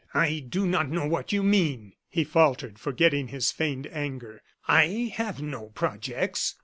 "I do not know what you mean," he faltered, forgetting his feigned anger; "I have no projects."